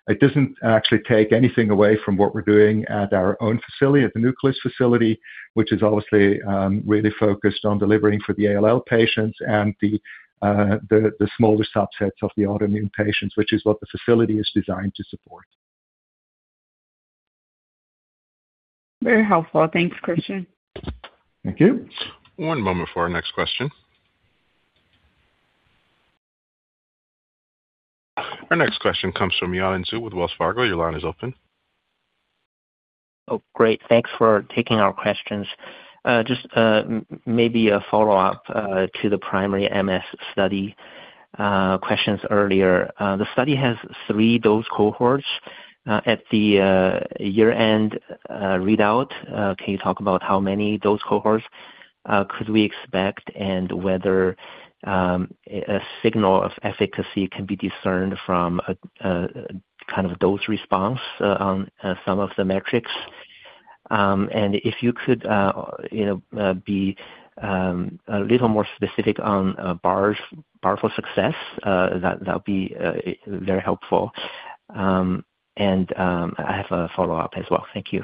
It doesn't actually take anything away from what we're doing at our own facility, the Nucleus facility, which is obviously really focused on delivering for the ALL patients and the smaller subsets of the autoimmune patients, which is what the facility is designed to support. Very helpful. Thanks, Christian. Thank you. One moment for our next question. Our next question comes from Yanan Zhu with Wells Fargo. Your line is open. Oh, great. Thanks for taking our questions. Just maybe a follow-up to the progressive MS study questions earlier. The study has three dose cohorts at the year-end readout. Can you talk about how many dose cohorts could we expect and whether a signal of efficacy can be discerned from a kind of dose response on some of the metrics? And if you could, you know, be a little more specific on bar for success, that'll be very helpful. I have a follow-up as well. Thank you.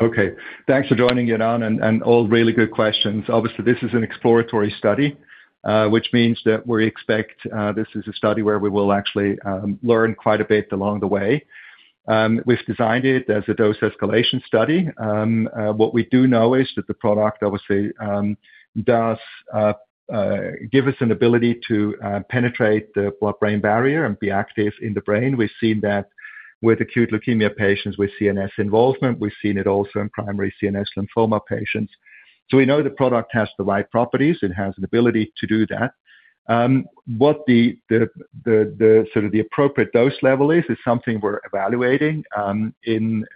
Okay. Thanks for joining, Yanan, and all really good questions. Obviously, this is an exploratory study, which means that we expect this is a study where we will actually learn quite a bit along the way. We've designed it as a dose escalation study. What we do know is that the product obviously does give us an ability to penetrate the blood-brain barrier and be active in the brain. We've seen that with acute leukemia patients with CNS involvement. We've seen it also in primary CNS lymphoma patients. So we know the product has the right properties. It has an ability to do that. What the sort of appropriate dose level is is something we're evaluating in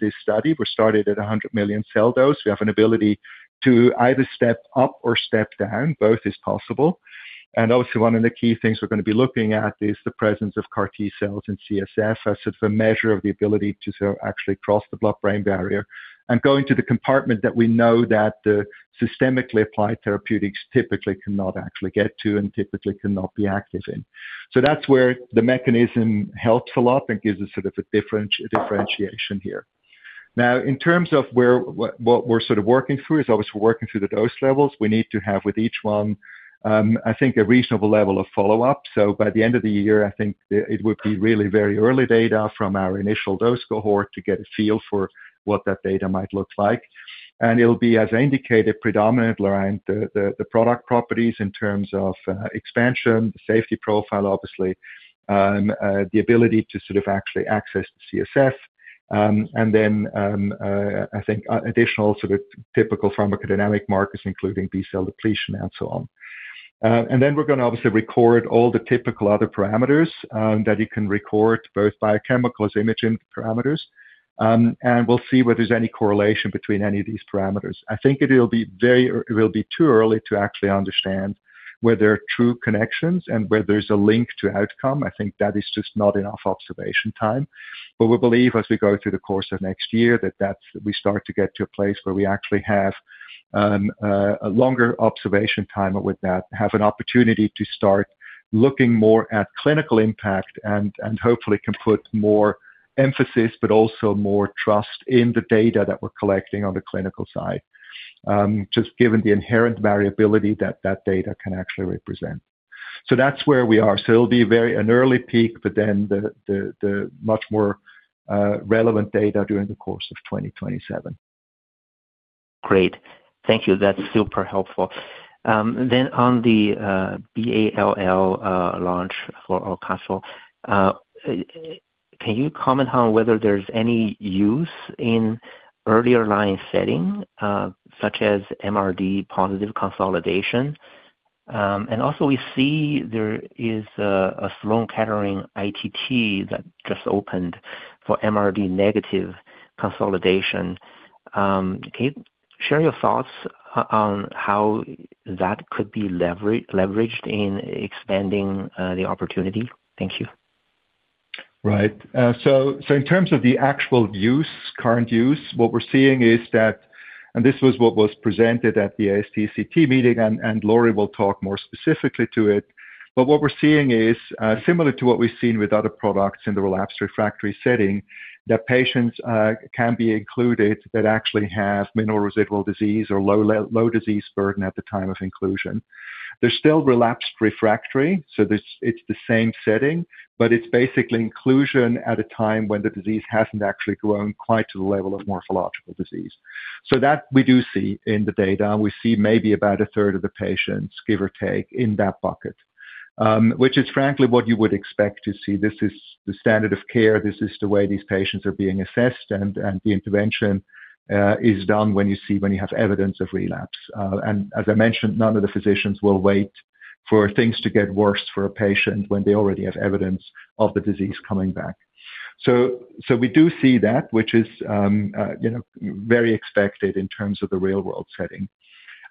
this study. We started at 100 million cell dose. We have an ability to either step up or step down. Both is possible. Obviously, one of the key things we're going to be looking at is the presence of CAR T cells in CSF as sort of a measure of the ability to sort of actually cross the blood-brain barrier and go into the compartment that we know that the systemically applied therapeutics typically cannot actually get to and typically cannot be active in. That's where the mechanism helps a lot and gives us sort of a differentiation here. Now, in terms of what we're sort of working through, as always, we're working through the dose levels. We need to have with each one, I think a reasonable level of follow-up. By the end of the year, I think it would be really very early data from our initial dose cohort to get a feel for what that data might look like. It'll be, as I indicated, predominantly around the product properties in terms of expansion, the safety profile, obviously, the ability to sort of actually access the CSF, and then I think additional sort of typical pharmacodynamic markers, including B-cell depletion and so on. Then we're going to obviously record all the typical other parameters that you can record both biochemicals, imaging parameters, and we'll see whether there's any correlation between any of these parameters. I think it will be too early to actually understand whether true connections and where there's a link to outcome. I think that is just not enough observation time. We believe as we go through the course of next year, that we start to get to a place where we actually have a longer observation time with that, have an opportunity to start looking more at clinical impact and hopefully can put more emphasis but also more trust in the data that we're collecting on the clinical side, just given the inherent variability that that data can actually represent. That's where we are. It'll be very early peek, but then the much more relevant data during the course of 2027. Great. Thank you. That's super helpful. On the B-ALL launch for AUCATZYL, can you comment on whether there's any use in earlier line setting, such as MRD positive consolidation? And also we see there is a Sloan Kettering IST that just opened for MRD negative consolidation. Can you share your thoughts on how that could be leveraged in expanding the opportunity? Thank you. Right. So in terms of the actual use, current use, what we're seeing is that this was what was presented at the ASTCT meeting, and Lori will talk more specifically to it. What we're seeing is similar to what we've seen with other products in the relapsed refractory setting, that patients can be included that actually have minimal residual disease or low disease burden at the time of inclusion. They're still relapsed refractory, so this, it's the same setting, but it's basically inclusion at a time when the disease hasn't actually grown quite to the level of morphological disease. That we do see in the data, and we see maybe about a third of the patients, give or take, in that bucket. Which is frankly what you would expect to see. This is the standard of care. This is the way these patients are being assessed and the intervention is done when you have evidence of relapse. As I mentioned, none of the physicians will wait for things to get worse for a patient when they already have evidence of the disease coming back. We do see that, which is you know, very expected in terms of the real-world setting.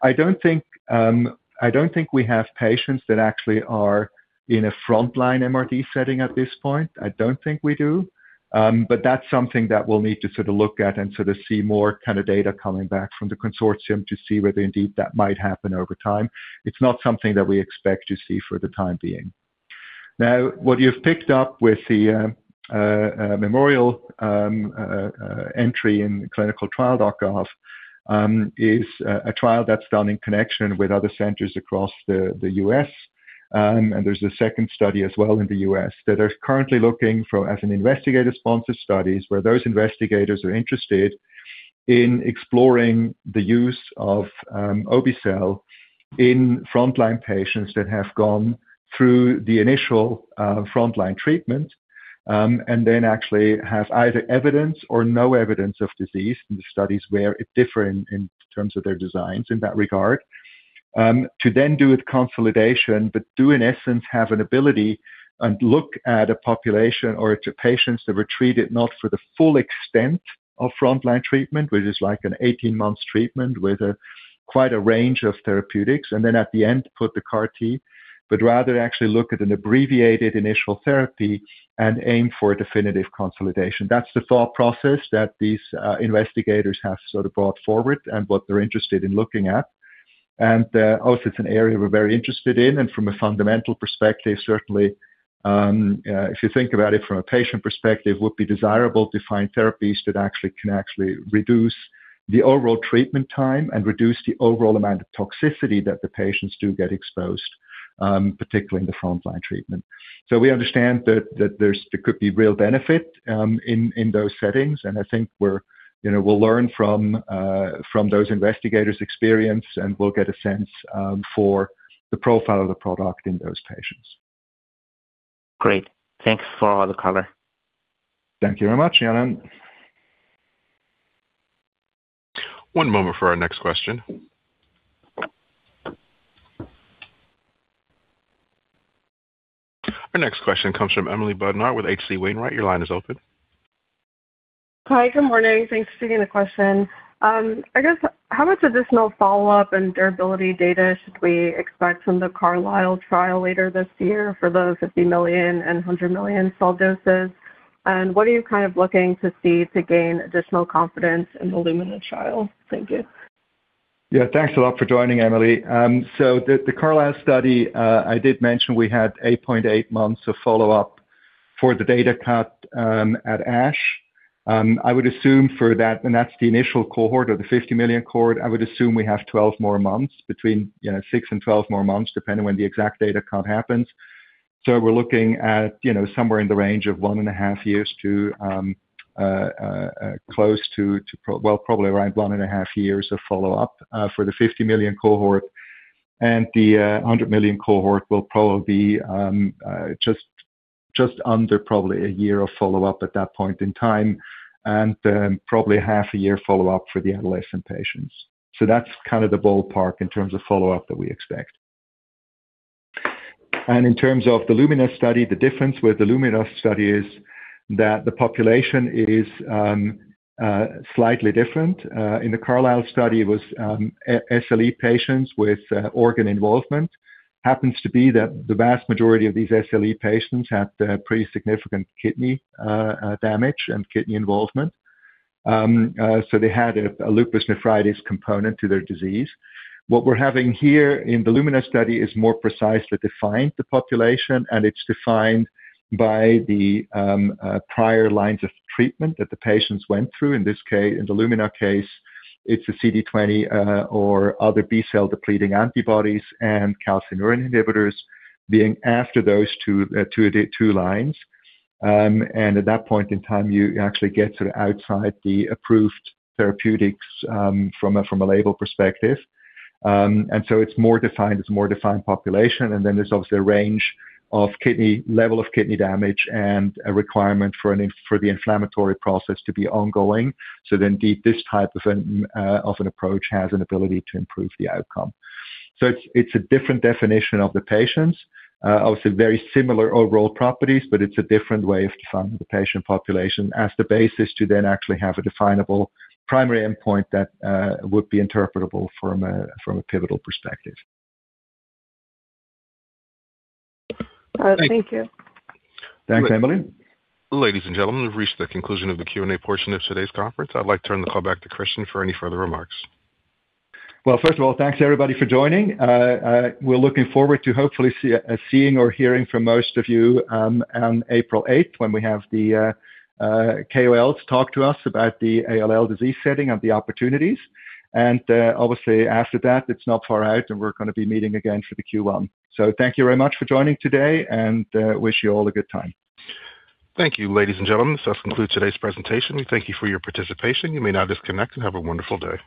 I don't think we have patients that actually are in a frontline MRD setting at this point. I don't think we do. That's something that we'll need to sort of look at and sort of see more kind of data coming back from the consortium to see whether indeed that might happen over time. It's not something that we expect to see for the time being. Now, what you've picked up with the Memorial entry in clinicaltrials.gov is a trial that's done in connection with other centers across the U.S. There's a second study as well in the U.S. that are currently looking for as investigator-sponsored studies where those investigators are interested in exploring the use of obe-cel in frontline patients that have gone through the initial frontline treatment and then actually have either evidence or no evidence of disease in the studies where they differ in terms of their designs in that regard. To then do a consolidation, but to, in essence, have an ability and look at a population or to patients that were treated not for the full extent of frontline treatment, which is like an 18-month treatment with quite a range of therapeutics, and then at the end, put the CAR T. But rather actually look at an abbreviated initial therapy and aim for definitive consolidation. That's the thought process that these investigators have sort of brought forward and what they're interested in looking at. Also it's an area we're very interested in. From a fundamental perspective, certainly, if you think about it from a patient perspective, would be desirable to find therapies that actually can reduce the overall treatment time and reduce the overall amount of toxicity that the patients do get exposed to, particularly in the frontline treatment. We understand that there could be real benefit in those settings. I think, you know, we'll learn from those investigators' experience and we'll get a sense for the profile of the product in those patients. Great. Thanks for all the color. Thank you very much, Yanan. One moment for our next question. Our next question comes from Emily Bodnar with H.C. Wainwright. Your line is open. Hi. Good morning. Thanks for taking the question. I guess how much additional follow-up and durability data should we expect from the CARLYSLE trial later this year for those 50 million and 100 million cell doses? What are you kind of looking to see to gain additional confidence in the LUMINA trial? Thank you. Thanks a lot for joining, Emily. The CARLYSLE study, I did mention we had 8.8 months of follow-up for the data cut at ASH. I would assume for that, and that's the initial cohort or the 50 million cohort. I would assume we have 12 more months between, you know, 6 and 12 more months, depending when the exact data cut happens. We're looking at, you know, somewhere in the range of 1.5 years, well, probably around 1.5 years of follow-up for the 50 million cohort. The 100 million cohort will probably be just under probably a year of follow-up at that point in time, and then probably half a year follow-up for the adolescent patients. That's kind of the ballpark in terms of follow-up that we expect. In terms of the LUMINA study, the difference with the LUMINA study is that the population is slightly different. In the CARLYSLE study, it was SLE patients with organ involvement. Happens to be that the vast majority of these SLE patients had pretty significant kidney damage and kidney involvement. They had a lupus nephritis component to their disease. What we're having here in the LUMINA study is more precisely defined the population, and it's defined by the prior lines of treatment that the patients went through. In the LUMINA case, it's a CD20 or other B-cell depleting antibodies and calcineurin inhibitors being after those two lines. At that point in time, you actually get sort of outside the approved therapeutics, from a label perspective. It's a more defined population. Then there's obviously a range of kidney level of kidney damage and a requirement for the inflammatory process to be ongoing. This type of an approach has an ability to improve the outcome. It's a different definition of the patients. Obviously very similar overall properties, but it's a different way of defining the patient population as the basis to then actually have a definable primary endpoint that would be interpretable from a pivotal perspective. All right. Thank you. Thanks, Emily. Ladies and gentlemen, we've reached the conclusion of the Q&A portion of today's conference. I'd like to turn the call back to Christian for any further remarks. Well, first of all, thanks everybody for joining. We're looking forward to hopefully seeing or hearing from most of you on April eighth when we have the KOLs talk to us about the ALL disease setting and the opportunities. Obviously after that, it's not far out and we're gonna be meeting again for the Q1. Thank you very much for joining today and wish you all a good time. Thank you. Ladies and gentlemen, this does conclude today's presentation. Thank you for your participation. You may now disconnect and have a wonderful day.